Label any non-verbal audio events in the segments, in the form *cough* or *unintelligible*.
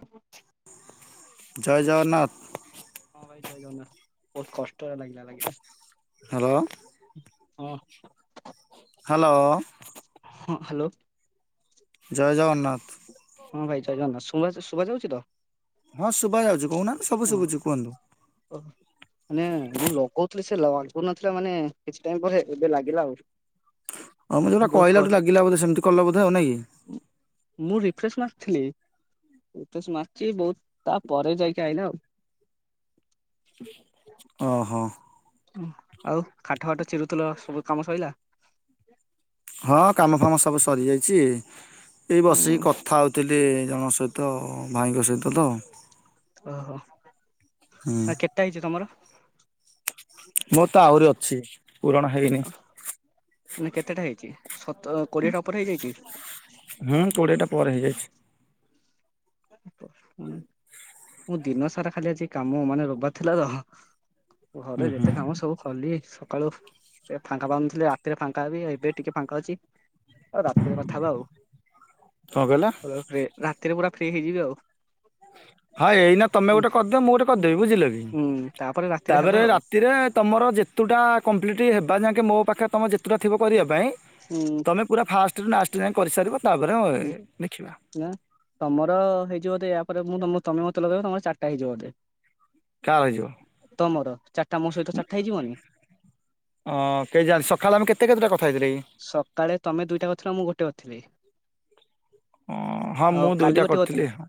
ହୁଁ *inaudible* ଜୟ ଜଗନ୍ନାଥ। ହଁ ଭାଇ ଜୟ ଜଗନ୍ନାଥ। ବୋହୁତ୍ କଷ୍ଟରେ ଲାଗିଲା ଲାଗିଲା। ହାଲୋ। ହଁ। ହାଲୋ। ହଁ ହାଲୋ। ଜୟ ଜଗନ୍ନାଥ। ହଁ ଭାଇ ଜୟ ଜଗନ୍ନାଥ। ଶୁଭା ହ ଶୁଭା ଯାଉଛି ତ? ହଁ ଶୁଭା ଯାଉଛି କହୁନା ସବୁ ଓ ଶୁଭୁଛି କୁହନ୍ତୁ। ମାନେ ମୁଁ ଲଗଉଥିଲି ସେ ଲାଗୁନଥିଲା, ମାନେ କିଛି ଟାଇମ୍ ପରେ ଏବେ ଲାଗିଲା ଆଉ। *inaudible* ହଁ ମୁଁ ଯୋଉଟା ବହୁତ କ କହିଲାଠୁ ଲାଗିଲା ବୋଧେ। ସେମତି କଲ ବୋଧେ ଆଉ ନା କି? ମୁଁ ରିଫ୍ରେସ୍ ମାରିଥିଲି। ରିଫ୍ରେଶ୍ ମାରିଚି, ବୋହୁତ୍ ତାପରେ ଯାଇକି ଆଇଲା ଆଉ। ଓହୋ। ଆଉ କାଠ ଫାଠ ଚିରୁଥିଲ ସବୁ କାମ ସଇଲା? ହଁ କାମ ଫାମ ସବୁ ସରି ଯାଇଛି, ଏଇ ହୁଁ ବସିକି କ କଥା ହଉଥିଲି ଜଣଙ୍କ ସହିତ, ଭାଇଙ୍କ ସହିତ ତ। ଓହୋ। ଆ କେତେ ଟା ହେଇଛି ତମର? ମୋର ତ ଆହୁରି ଅଛି। ପୁରଣ ହେଇନି। ଅ ମାନେ କେତେଟା ହେଇଛି ସତ କୋଡିଏଟା ଉପରେ ହେଇଯାଇଛି? ହୁଁ କୋଡ଼ିଏଟା ପରେ ହେଇଯାଇଛି। ମୁଁ ଦିନ ସାରା ଖାଲି ଆଜି କାମ, ମାନେ ରବିବାର ଥିଲା ତ ଘରେ ଯେତେ କାମ ସବୁ କଲି। ସକାଳୁ ଫାଙ୍କା ପାଉନଥିଲି, ରାତିରେ ଫାଙ୍କା ହେବି। ଏବେ ଟିକେ ଫାଙ୍କା ଅଛି। ଆଉ ରାତିରେ କଥା ହେବା କଣ କହିଲ ଆଉ। ରାତିରେ ପୁରା ଫ୍ରି ହେଇଯିବି ଆଉ। ହଁ ଏଇନା ତମେ ଗୋଟେ କରିଦିଅ, ମୁଁ ଗୋଟେ କରିଦେବି ବୁଝିଲ କି, ହୁଁ ତାପରେ ରାତିରେ ହବା ତାପରେ ଆଉ ରା ତିରେ, ତମର ଯେତୁଟା କମ୍ପ୍ଲିଟ୍ ହେବା ଯାଙ୍କେ ମୋ ପାଖରେ ତୁମ ଯେତୁଟା ଥିବ କରିବା ପାଇଁ ହୁଁ। ତମେ ପୁରା ଫାଷ୍ଟ୍ ରୁ ଲାଷ୍ଟ୍ ଯାଏ କରିସାରିବା ତାପରେ ଲେଖିବା। ନା ତମର ହେଇଚି ବଧେ, ୟା ପରେ ମୁଁ ତମ ତମେ ମତେ ଲଗେଇବ ତମର ଚାରିଟା ହେଇଯିବ ବଧେ? କାହାର ହେଇଯିବ? ତମର, ଚାରିଟା ମୋ ସହିତ ଚାରିଟା ହେଇଯିବନି? ହଁ କେଜାଣି, ସକାଳେ ଆମେ କେତେ କେତେଟା କଥା ହେଇଥିଲେ କି? ସକାଳେ ତମେ ଦୂଇଟା କରିଥିଲ, ମୁଁ ଗୋଟେ କରିଥିଲି। ଅ ହଁ ଆଉ ମୁଁ କାଲି ଦୁଇଟା ଗୋଟେ କରିଥିଲି କରିଥିଲ। ହଁ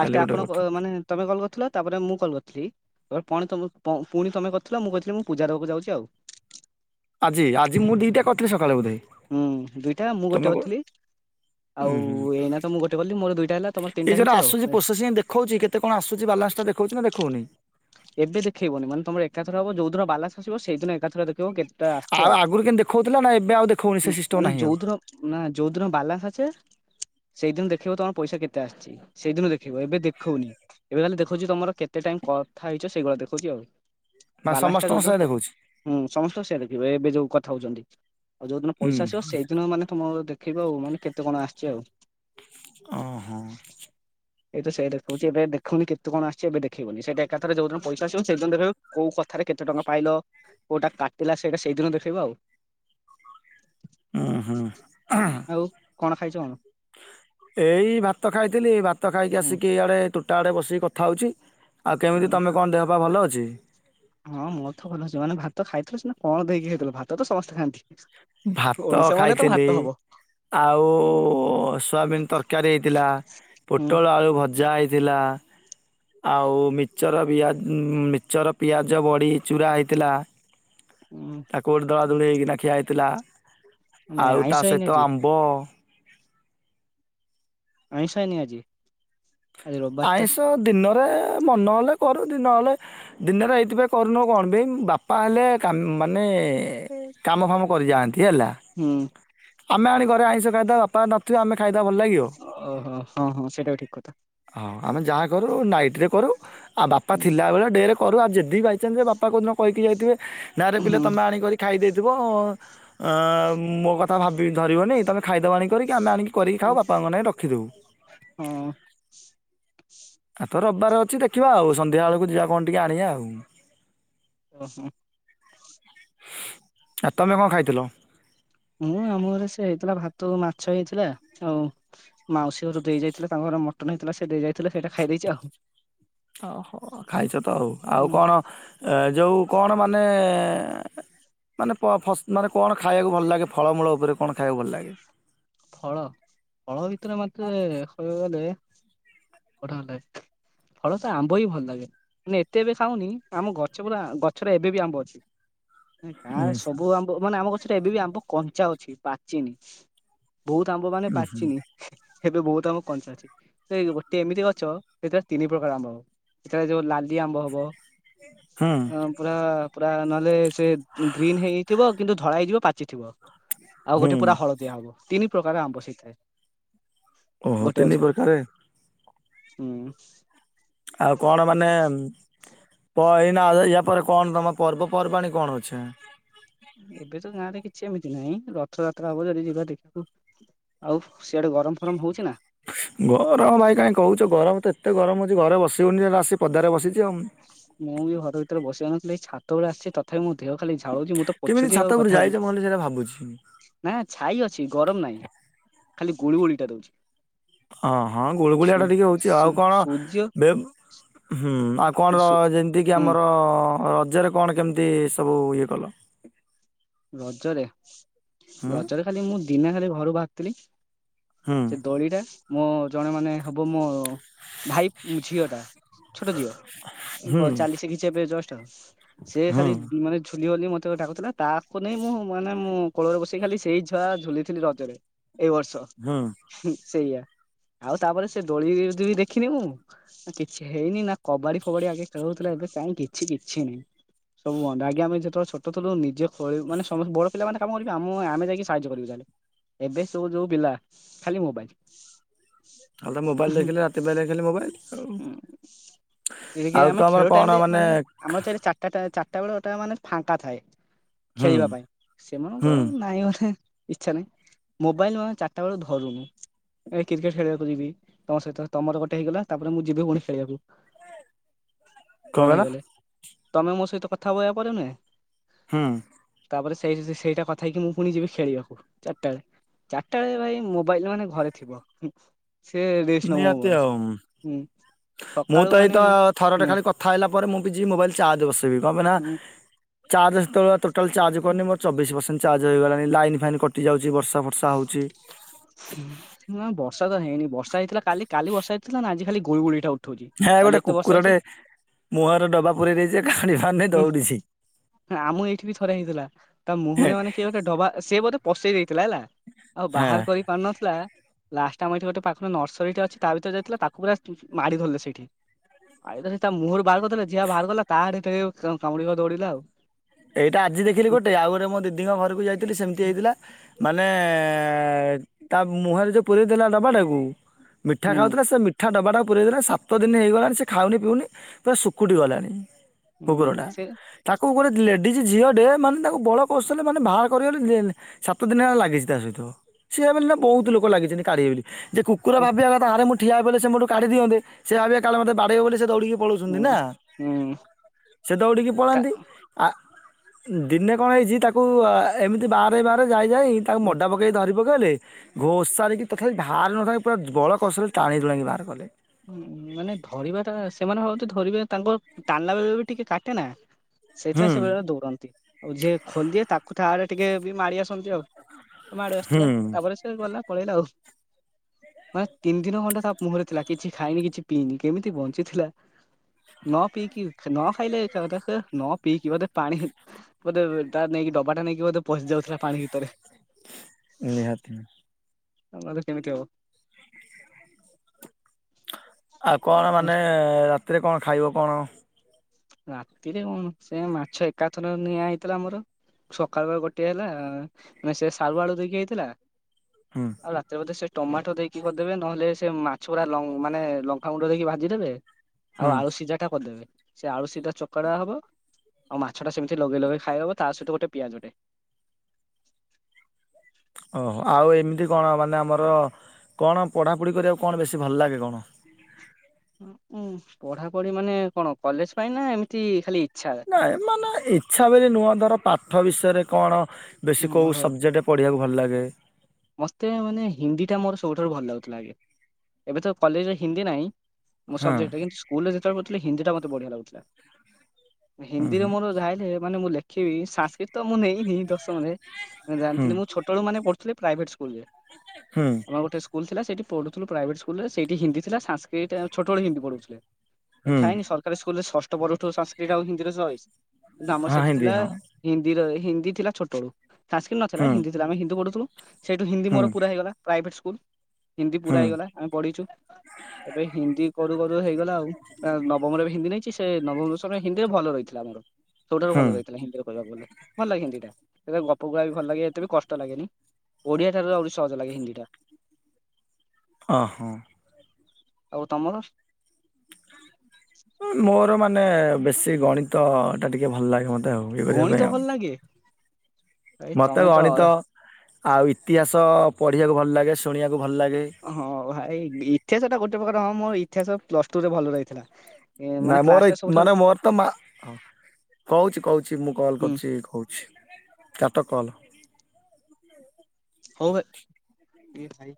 କାଲି ଗୋଟେ ଆପଣ କରିଥିଲି। ମାନେ ତମେ କଲ୍ କରିଥିଲ ତାପରେ ମୁଁ କଲ୍ କରିଥିଲି। ଏ ପଣି ତମେ ପୁଣି ତମେ କରିଥିଲ, ମୁଁ କହିଥିଲି ମୁଁ ପୂଜାଦବାକୁ ଯାଉଛି ଆଉ। ଆଜି ଆଜି ମୁଁ ଦିଟା କରିଥିଲି ସକାଳେ ବୋଧେ। ହୁଁ ଦୂଇଟା ମୁଁ ତମେ ଗୋଟେ ଗୋ କରିଥିଲି। ଉଁ ହୁଁ ଆଉ ଏଇନା ତ ମୁଁ ଗୋଟେ କଲି ମୋର ଦିଇଟା ହେଲା ତମର ତିନିଟା ହେଇଛି ଆଉ। ଦେଖଉଚି କେତେ କଣ ଆସୁଚି ବାଲାନ୍ସଟା ଦେଖଉଚି ନା ଦେଖଉନି? ଏବେ ଦେଖେଇବନି ମାନେ ତମର ଏକାଥର ହବ ଯୋଉ ଦିନ ବାଲାନ୍ସ ଆସିବ ସେଇଦିନ ଏକାଥର ଦେଖେଇବ। ଦେଖିବ କେତେଟଙ୍କା ଆସିଚି ଆଉ ଆଗରୁ କେମିତି ଦେଖଉଥିଲା ନା ଏବେ ଆଉ ଦେଖଉନି ସେ ସିଷ୍ଟମ ମାନେ ନାହିଁ ଆଉ ଯୋଉଦିନ ନା ଯୋଉ ଦିନ ବାଲାନ୍ସ ଆସେ ସେଇଦିନ ଦେଖିବ ତମର ପଇସା କେତେ ଆସିଚି। ସେଇଦିନ ଦେଖିବ ଏବେ ଦେଖଉନି ଏବେ ଖାଲି ଦେଖଉଚି ତମର କେତେ ଟାଇମ କ କଥା ହେଇଚ ସେଇଗୁଡା ଦେଖଉଚି ଆଉ ମାନେ ବାଲାନ୍ସଟା ସମସ୍ତଙ୍କ ଯୋଉଦିନ ସେୟା ପ ଦେଖଉଛି। ହୁଁ ସମସ୍ତଙ୍କ ସେଇଆ ଦେଖେଇବ ଏବେ ଯୋଉ କଥା ହଉଚନ୍ତି ଆଉ ଯୋଉ ଦିନ ହୁଁ ପଇସା ଆସିବ ସେଇଦିନ ମାନେ ତମର ଦେଖ୍ ଦେଖିବ ଆଉ ମାନେ କେତେ କଣ ଆସିଚି ଆଉ। ଓହୋ। ମୁଁ ତ ସେଇଟା କହୁଚି ଏବେ ଦେଖଉନି କେତେ କଣ ଆସିଚି ଏବେ ଦେଖେଇବନି ସେଇଟା ଏକାଥରେ ଯୋଉଦିନ ପଇସା ଆସିବ ସେଇଦିନ ଦେଖେଇବ କୋଉ କଥାରେ କେତେ ଟଙ୍କା ପାଇଲ? କୋଉଟା କାଟିଲା ସେଇଟା ସେଇଦିନ ଦେଖେଇବ ଆଉ। ଉଁ ହଁ। ଆଉ କଣ ଖାଇଚ କଣ? ଏଇ ଭାତ ଖାଇଥିଲି ଭାତ ଖାଇକି ହୁଁ ଆସିକି ଇଆଡେ ତୋଟା ଆଡେ ବସିକି କଥା ହଉଚି। ଆଉ କେମିତି ହୁଁ ତମେ କଣ ଦେହ ପା ଭଲ ଅଛି? ହଁ ମଁ ତ ଭଲ ଅଛି ମାନେ ଭାତ ଖାଇଥିଲ ସେ କଣ ଦେଇକି ହେଇଥିଲ ଭାତ ତ ସମସ୍ତେ ଖାଆନ୍ତି। ଭାତ ଓଡିଶା ମାନେ ତ ଭାତ ଖାଇଥିଲି। ହବ ଆଉ ସୋୟାବିନ ତରକାରୀ ହେଇଥିଲା। ହୁଁ ପୋଟଳ ଆଳୁ ଭଜା ହେଇଥିଲା। *unintelligible* ଆଉ ମିଚର ପିଆ ମିଚର ପିଆଜ ବଡି ଚୁରା ହେଇଥିଲା। ହୁଁ ତାକୁ ଗୋଟେ ଦଳା ଦଳି ହେଇକିନା ଖିଆ ହେଇଥିଲା, ନାଇଁ ଆଉ ଆଇଁଷ ତା ହେଇନି ସହିତ ଆଜି ଆମ୍ବ୍ ବ ଆଇଁଶ ହେଇନି ଆଜି? ଆଜି ରବିବାର ଟା ଆଇଁଶ ଦିନରେ ମନ ହେଲେ କରୁ ଦିନ ହେଲେ ଦିନରେ ଏଇଥିପାଇଁ କରୁନୁ କଣ ପାଇଁ ବାପା ହେଲେ କା ମାନେ କାମ ଫାମ କରି ଯାଆନ୍ତି ହେଲା। ହୁଁ। ଆମେ ଆଣି ଘରେ ଆଇଁଶ ଖାଇଦବା ବାପା ନଥିବେ ଆମେ ଖାଇଦବା ଭଲ ଲାଗିବ? ଓହୋ ହଁ ହଁ ସେଇଟା ବି ଠିକ୍ କଥା। ହଁ ଆମେ ଯାହା କରୁ ନାଇଟ୍ ରେ କରୁ ଆଉ ବାପା ହୁଁ ଥିଲାବେଳେ ଢେର୍ କରୁ ଆଉ ଯଦି ବାଇଚାନ୍ସ ବାପା କୋଉଦିନ କହିକି ଯାଇଥିବେ ନାଁରେ ପିଲା ହୁଁ ତମେ ଆଣିକରି ଖାଇ ଦେଇଥିବ ଅଁ ମୋ କଥା ଭାବିକି ଧରିବନି ତୁମେ ଖାଇଦବ ଆଣି କରିକି ଆମେ ଆଣିକି କରିକି ଖାଉ ବାପାଙ୍କ ପାଇଁ ରଖିଦେବୁ। ହଁ। ଆଜି ତ ରବିବାର ଅଛି ଦେଖିବା ଆଉ ସନ୍ଧ୍ୟାବେେଳକୁ ଯିବା କଣ ଟିକେ ଆଣିଆ ଆଉ। *unintelligible* ଆ ତମେ କଣ ଖାଇଥିଲ? ହଁ ଆମ ଘରେ ସେ ହେଇଥିଲା ଭାତ ମାଛ ହେଇଥିଲା ଆଉ ମାଉସୀ ଘରୁ ଦେଇ ଯାଇଥିଲା ତାଙ୍କ ଘର ମଟନ୍ ହେଇଥିଲା ସେ ଦେଇ ଯାଇଥିଲେ ସେଇଟା ଖାଇ ଦେଇଚି ଆଉ। ଓହୋ ଖାଇଚ ତ ଆଉ ଆଉ ଉଁ କଣ ଯୋଉ କଣ ମାନେ ମାନେ ପ ଫସ୍ ମାନେ କଣ ଖାଇବାକୁ ଭଲ ଲାଗେ ଫଳମୂଳ ଉପରେ କଣ ଖାଇବାକୁ ଭଲ ଲାଗେ? ଫଳ ଫଳ ଭିତରେ ମତେ କହିବାକୁ ଗଲେ *unintelligible* ଫଳ ତ ଆମ୍ବ ହିଁ ଭଲ ଲାଗେ ମାନେ ଏତେ ଏବେ ଖାଉନି ଆମ ଗଛ ପୁରା ଗଛରେ ଏବେ ବି ଆମ୍ବ ଅଛି। ଉଁ ଗାଁରେ ସବୁ ଆମ୍ବ ମାନେ ଆମ ଗଛରେ ଏବେ ବି ଆମ୍ବ କଞ୍ଚା ଅଛି ପାଚିନି। ବହୁତ ଆମ୍ବ ମାନେ ହୁଁ ପାଚିନି ଏବେ ବହୁତ ଆମ୍ବ କଞ୍ଚା ଅଛି। ସେ ଗୋଟେ ଏମିତି ଗଛ ସେଥିରେ ତିନି ପ୍ରକାର ଆମ୍ବ ହବ ସେଥି ଯୋଉ ଲାଲି ଆମ୍ବ ହବ ହୁଁ ଆମ୍ ପୁରା ପୁରା ନହେଲେ ସେ ଗ୍ରୀନ୍ ହେଇଥିବ କିନ୍ତୁ ଧଳା ହେଇଯିବ ପାଚିଥିବ ଆଉ ହୁଁ। ଗୋଟେ ପୁରା ହଳଦିଆ ହବ ତିନି ପ୍ରକାର ଆମ୍ବ ସେଇ ଥାଏ ଓହୋ ଗୋଟେ ତିନି ଗଛରେ। ପ୍ରକାରେ ହୁଁ। ଆଉ କଣ ମାନେ ପ ଏଇନା ୟା ପରେ କଣ ତମ ପର୍ବପର୍ବାଣୀ କଣ ଅଛି? ଏବେ ତ ଗାଁରେ କିଛି ଏମିତି ନାହିଁ ରଥଯାତ୍ରା ହବ ଯଦି ଯିବା ଦେଖିବୁ। ଆଉ ସିଆଡେ ଗରମ ଫରମ ହଉଚି ନା? ଗରମ ଭାଇ କାହିଁ କହୁଚ ଗରମ ତ ଏତେ ଗରମ ହଉଚି ଘରେ ବସିିହଉନି ଆସି ପଦାରେ ବସିଚି ଆଉ। ମୁଁ ବି ଘର ଭିତରେ ବସି ହଉନଥିଲି ଏଇ ଛାତ ଉପରେ ଆସିଚି ତ ଥାପି ମୋ ଦେହ ଖାଲି ଝାଳଉଚି ମୁଁ ତ କେମିତି ପଛୁଚି ଛାତ ଆଉ ଉପରୁ କଥା ଯାଇଛ ହଉଚି। ମୁଁ ଖାଲି ସେଇଟା ଭାବୁଛି ନା ଛାଇ ଅଛି ଗରମ ନାହିଁ ଖାଲି ଗୁଳୁ ଗୁଳିଟା ଦଉଛି। ଅ ହଁ ଗୁଳୁଗୁଳିଆ ସୁ ଟା ଟିକେ ହଉଚି ସୁ ଆଉ କଣ ସୂର୍ଯ୍ୟ ବେ ହୁଁ ଆ କଣ ସୁ ଯେମିତିକି ହୁଁ ଆମର ରଜରେ କଣ କେମିତି ସବୁ ଇଏ କଲ? ରଜରେ ହୁଁ ରଜରେ ଖାଲି ମୁଁ ଦିନେ ଖାଲି ଘରୁ ବାହାରିଥିଲି। ହୁଁ ସେ ଦୋଳି ଟା ମୋ ଜଣେ ମାନେ ହବ ମୋ ଭାଇ ଝିଅ ଟା ଛୋଟ ଝିଅ ହୁଁ କ ଚାଲି ଶିକିଚି ଏବେ ଜଷ୍ଟ ସେ ହୁଁ ଖାଲି ମାନେ ଝୁଲି ଗଲି ମ ତେ ଡାକୁୁଥିଲା ତା ତାକୁ ନେଇ ମୁଁ ମାନେ ମୁଁ କୋଳରେ ବସେଇ ଖାଲି ସେଇ ଝୁଆ ଝୁଲିଥିଲି ରଜରେ ଏଇ ବର୍ଷ। ହୁଁ। ହୁଁ ସେଇଆ ଆଉ ତାପରେ ସେ ଦୋଳି ଯଦି ବି ଦେଖିନେଇ ମୁଁ ନା କିଛି ହେଇନି ନା କବାଡି ଫବାଡି ଆଗେ ଖେଳ ହଉଥୁଲା ଏବେ କାଇଁ କିଛି କିଛି ନାହିଁ। ସବୁ ବନ୍ଦ ଆଜ୍ଞା ଆମେ ଯେତବେଳେ ଛୋଟ ଥିଲୁ ନିଜେ ଖୋଳିବୁ ମାନେ ସମସ୍ତେ ବଡ଼ ପିଲା ମାନେ କାମ କରିବେ ଆମ ଆମେ ଯାଇକି ସାହାଯ୍ୟ କରିବୁ ଯାହେଲେ। ଏବେ ସବୁ ଯୋଉ ପିଲା ଖାଲି ମୋବାଇଲ। ଖାଲି ତ ମୋବାଇଲ ଦେଖିଲେ ରାତି ପାହିଲେ ଖାଲି ମୋବାଇଲ। ଆଉ। ହୁଁ ଆଉ *unintelligible* ଆମେ ତମର ଖେଳ କଣ ଟାଇମ୍ ରେ ମାନେ ଆମର ତ ଏଠି ଚାରଟା ତା ଚାରଟା ବେଳ ଟା ମାନେ ଫାଙ୍କା ଥାଏ। ହୁଁ ଖେଳିବା ପାଇଁ ହୁଁ ସେମାନଙ୍କର ନାହିଁ ବୋଧେ। ଇଛା ନାହିଁ ମୋବାଇଲ *unintelligible* ଚାରିଟା ବେଳୁ ଧରୁନୁ। ଏଇ କ୍ରିକେଟ ଖେଳିବାକୁ ଯିବି ତମ ସହିତ ତମର ଗୋଟେ ହେଇଗଲା। ତାପରେ ମୁଁ ଯିବି ପୁଣି ଖେଳିବାକୁ କଣ ତମର କହିଲ ହେଇଗଲେ। ତମେ ମୋ ସହିତ କଥା ହବ ୟାପରେ ନୁହେଁ। ହୁଁ। ତାପରେ ସେଇ ସେଇଟା କଥା ହେଇକି ମୁଁ ଫୁଣି ଯିବି ଖେଳିବାକୁ ଚାରିଟା ବେଳେ। ଚାରିଟା ବେଳେ ଭାଇ ମୋବାଇଲ ମାନେ ଘରେ ଥିବ ସେ ରେଷ୍ଟ ନବ ନିହାତି ଆଉ ମୋବାଇଲ। ହୁଁ। ମୁଁ ସକାଳୁ ତ ମାନେ ଏଇତ ଥରଟେ ହୁଁ ଖାଲି କଥା ହେଲା ପରେ ମୁଁ ପି ଯିବି ମୋବାଇଲ ଚାର୍ଜ ବସେଇବି କଣ ପାଇଁ ନା ହୁଁ ଚାର୍ଜ ସେତବେଳେ ବା ଟୋଟାଲି ଚାର୍ଜ କରିନି ମୋର ଚବିଶ ପେସେଣ୍ଟ। ଚାର୍ଜ ହୋଇଗଲାଣି ଲାଇନ୍ ଫାଇନ୍ କଟିଯାଉଛି ବର୍ଷା ଫର୍ଷା ହଉଛି। ନା ବର୍ଷା ତ ହେଇନି ବର୍ଷା ହେଇଥିଲା କାଲି କାଲି ବର୍ଷା ହେଇଥିଲା ନା ଆଜି ଖାଲି ଗୁଳି ଗୁଳିଟା ଉ ହେଁ ଗୋଟେ କୁକୁରଟେ ମୁହଁରେ ଡବା ପୁରେଇ ଦେଇଚି ଯେ କାଢି ପାରୁନି ହୁଁ ଦୌଡ଼ିଛି। ଆମ ଏଇଠି ବି ଥରେ ହେଇଥିଲା ତା ମୁହଁରେ ମାନେ କିଏ ଗୋଟେ ଡବା ସେ ବୋଧେ ପସେଇ ଦେଇଥିଲା ହେଲା। ଆଉ ହେଁ। ବାହାର କରି ପାରୁନଥିଲା ଲାଷ୍ଟ ଆମ ଏଇଠି ଗୋଟେ ପାଖରେ ନସରୀ ଟେ ଅଛି ତା ଭିତରେ ଯାଇଥିଲା ତାକୁ ପୁରା ମାଡ଼ି ଧରିଲେ ସେଇଠି। ଆଇଦା ସେଇ ତା ମୁହଁରୁ ବାହାର କରିଦେଲେ ଯିଏ ବାହାରକଲା ତା ଆଡେ *unintelligible* କା-କାମୁଡିବାକୁ ଦୌଡିଲା ଆଉ। ଏଇଟା ଆଜି ଦେଖିଲି ଗୋଟେ ଆଉ ଗୋଟେ ମୋ ଦିଦିଙ୍କ ଘରକୁ ଯାଇଥିଲି ସେମିତି ହେଇଥିଲା। ମାନେ ତା ମୁହଁରେ ଯଉ ପୁରେଇ ଥିଲା ଡବାଟାକୁ ମିଠା ହୁଁ ଖାଉଥିଲା ସେ ମିଠା ଡବାଟାକୁ ପୁରେଇଦେଲା ସାତଦିନି ହେଇଗଲାଣି ସେ ଖାଉନି ପିଉନି ପୁରା ଶୁକୁଟି ଗଲାଣି। କୁକୁର ହୁଁ ଟା ସେ ତାକୁ ଗୋଟେ ଲେ ଡିଜି ଝିଅଟେ ମାନେ ତାକୁ ବଳ କୌଶଲେ ମାନେ ବାହାର କରିବାରେ ଦିନି ସାତ ଦିନି ହେଲା ଲାଗିଚି ତା ସହିତ। ସିଏ ବୋଲି ନୁହଁ ବହୁତ ଲୋକ ଲାଗିଛନ୍ତି କାଢିବେ ବୋଲି। ଯେ କୁକୁର ହୁଁ ଭାବିବା କଥା ଆରେ ମୁଁ ଠିଆ ହେଇ ପଇଲେ ସେ ମୋଠୁ କାଢିଦିଅନ୍ତେ। ସେ ଭାବିବେ କାଳେ ମତେ ବାଡେଇବେ ବୋଲି ସେ ଦୌଡ଼ିକି ପଳଉଛନ୍ତି ନା ହୁଁ ସେ ଦୌଡିକି କା ପଳାନ୍ତି। ଆ ଦିନେ କଣ ହେଇଚି ତାକୁ ଏମିତି ବା ବାହାରେ ଯାଇ ଯାଇ ତାକୁ ମଡା ପକେଇକି ଧରି ପକେଇଲେ ଘୋଷାରିକି ତଥାପି ଭାଆରି ନ ଥାଏ। ପୁରା ବଳ କସରେ ଟାଣି ଟୁଣାକି ବାହାର କଲେ। ଉଁ ମାନେ ଧରିବା ଟା ସେମାନେ ଭାବୁଥିବେ ଧରିବେ ତାଙ୍କ ଟାଣିଲା ବେଳେ ବେଳେ ବି ଟିକେ କାଟେ ନା। ହୁଁ ସେଇଥିପାଇଁ ସେ ବେଳେ ବେଳେ ଦୌଉଦନ୍ତି ଆଉ ଯିଏ ଖୋଲିଦିଏ ତାକୁ ତା ଆଡେ ଟିକେ ବି ମାାଡି ଆସନ୍ତି ଆଉ। ମାଡୁ ଆସୁଥିବା ତା ପରେ ସେ ସେ ଗଲା ପଳେଇଲା ଆଉ ମାନେ ତିନି ଦିନ ଖଣ୍ଟେ ତା ମୁହଁରେ ଥିଲା କିଛି ଖାଇନି କିଛି ପିଇନି କେମିତି ବଞ୍ଚିଥିଲା। ନ ପିଇକି ସେ ନ ଖାଇଲେ ତ ତ ସେ ନ ପିଇକି ବୋଧେ ପାଣି ବୋଧେ ତା ନେଇକି ଡବାଟା ନେଇକି ବୋଧେ ପଶି ଯାଉଥିଲା ପାଣି ଭିତରେ। ନିହାତି। ଆଉ ମାନେ କେମିତି ହବ। ଆଉ କଣ ମାନେ ରାତିରେ କଣ ଖାଇବ କଣ? ରାତିରେ କଣ ସେ ମାଛ ଏକାଥର ନିଆ ହେଇଥିଲା ଆମର। ସକାଳେ ପା ଗୋଟିଏ ହେଲା ମାନେ ସେ ସାରୁ ଆଳୁ ଦେଇକି ହେଇଥିଲା। ହୁଁ। ଆଉ ରାତିରେ ବୋଧେ ସେ ଟମାଟୋ ଦେଇକି କରିଦେବେ ନହେଲେ ସେ ମାଛଉରା ଲ ମାନେ ଲଙ୍କାଗୁଣ୍ଡ ଦେଇକି ଭାଜିଦେବେ। ଆଉ ହୁଁ ଆଳୁ ସିଝା ଟା କରିଦେବେ। ସେ ଆଳୁ ସିଧା ଚକଡା ହବ। ଆଉ ମାଛ ଟା ସେମିତି ଲଗେଇ ଲଗେଇ ଖାଇ ହବ ତା ସହିତ ଗୋଟେ ପିଆଜ ଟେ। ଓହୋ ଆଉ ଏମିତି କଣ ମାନେ ଆମର କଣ ପଢ଼ାପଢ଼ି କରିବାକୁ କଣ ବେଶୀ ଭଲ ଲାଗେ କଣ? ଉଁ ଉଁ ପଢାପଢି ମାନେ କଣ କଲେଜ ପାଇଁ ନା ଏମିତି ଖାଲି ଇଚ୍ଛା। ନା ଏମାନେ ଇଚ୍ଛା ବୋଲି ନୁହଁ ଧର ପାଠ ବିଷୟରେ କଣ ବେଶୀ କୋଉଁ ଓହୋ ସବଜେକ୍ଟ ପଢ଼ିଆକୁ ଭଲ ଲାଗେ। ମୋତେ ମାନେ ହିନ୍ଦୀ ଟା ମୋର ସବୁଠାରୁ ଭଲ ଲାଗୁଥିଲା ଆଗେ। ଏବେ ତ କଲେଜରେ ହିନ୍ଦୀ ନାହିଁ। ମୋ ହଁ ସବଜେକ୍ଟ ଟା କିନ୍ତୁ ସ୍କୁଲରେ ଯେତେବେଳେ କହୁଥିଲେ ହିନ୍ଦୀ ଟା ମତେ ବଢିଆ ଲାଗୁଥିଲା। ହୁଁ ହିନ୍ଦୀରେ ହୁଁ ମୋର ଯାହେଲେ ମାନେ ମୁଁ ଲେଖିବି ସଂସ୍କୃତ ତ ମୁଁ ନେଇନି ଦଶ ମରେ ହୁଁ। ଜାଣିଥିଲି ମୁଁ ଛୋଟବେଳୁ ମାନେ ପଢୁଥିଲି ପ୍ରାଇଭେଟ ସ୍କୁଲରେ। ହୁଁ ଆମର ଗୋଟେ ସୁ ସ୍କୁଲ ଥିଲା ସେଇି ପଢୁଥିଲୁ ପ୍ରାଇଭେଟ ସ୍କୁଲର ସେଇଠି ହିନ୍ଦି ଥିଲା ସାଂସ୍କିଟ ଛୋଟ ବେଳେ ହୀନ୍ଦୀ ପଢଉଥିଲେ। ହୁଁ ଥାଇନି ସରକାରୀ ସ୍କୁଲ ରେ ଷଷ୍ଠ ପରଠୁ ସାଂସ୍କିରିଟ ଆଉ ହିନ୍ଦୀରେ ସହିଚି କିନ୍ତୁ ଆମର ହଁ ସେଠି ହିନ୍ଦୀ ଥିଲା ହଁ ହିନ୍ଦୀର ହିନ୍ଦୀ ଥିଲା ଛୋଟବେଳୁ ସାଂସ୍କିରିଟ ନଥିଲା ହୁଁ ହିନ୍ଦୀ ଆମେ ହିନ୍ଦୀ ପଢୁଥିଲୁ। ସେଇଠୁ ହିନ୍ଦୀ ମୋର ହୁଁ ପୁରା ହେଇଗଲା ପ୍ରାଇଭେଟ ସ୍କୁଲ ହିନ୍ଦୀ ପୁରା ହୁଁ ହେଇଗଲା। ଆମେ ପଢିଛୁ ଏବେ ହିନ୍ଦୀ କରୁ କରୁ ହେଇଗଲା ଆଉ ଅ ନବମରେ ବି ହିନ୍ଦୀ ନେଇଛି। ସେ ନବମ ଦଶମ ହିନ୍ଦୀରେ ଭଲ ରହିଥିଲା ଆମର ସବୁଠାରୁ ହୁଁ ଭଲ ରହିଥିଲା ହିନ୍ଦୀରେ କହିବାକୁ ଗଲେ। ଭଲ ଲାଗେ ହିନ୍ଦୀଟା ଏବେ ଗପ ଗୁଡା ବି ଭଲ ଲାଗେ ଏତେ ବି କଷ୍ଟ ଲାଗେନି। ଓଡିଆ ଠାରୁ ଆହୁରି ସହଜ ଲାଗେ ହିନ୍ଦୀଟା। ଅ ହଁ। ଆଉ ତମର? ଉଁ ମୋର ମାନେ ବେଶୀ ଗଣିତ ଟା ଟିକେ ଭଲ ଲାଗେ ମତେ ଆଉ ଇଏ କରିବା ଗଣିତ ପାଇଁ ଆଉ। ଭଲ ଲାଗେ ଭାଇ ମତେ ତମେ ତ ଗଣିତ ଆଉ ଇତିହାସ ପଢ଼ିଆକୁ ଭଲ ଲାଗେ ଶୁଣିଆକୁ ଭଲ ଲାଗେ। ହଁ ଭାଇ ବି ଇତିହାସ ଟା ଗୋଟେ ପ୍ରକାର ହଁ ମୋର ଇତିହାସ ପ୍ଲସ ଟୁ ରେ ଭଲ ରହିଥିଲା। ଏ ନା ମାନେ କ୍ଲାସ ମୋର ଟା ସବୁଠାରୁ ମାନେ ମୋର ତ ମା କହୁଛି କହୁଛି ମୁଁ କଲ ହୁଁ କରୁଛି କୋଉ କାଟ କଲ। ହଉ ବେ ଦିଡ୍ ଭାଇ।